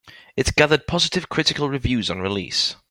It gathered positive critical reviews on release.